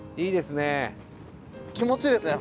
気持ちいいですね